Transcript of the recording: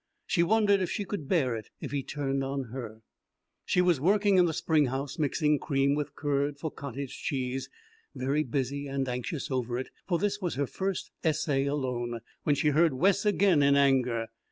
She wondered if she could bear it if he turned on her. She was working in the spring house mixing cream with curd for cottage cheese, very busy and anxious over it, for this was her first essay alone, when she heard Wes again in anger.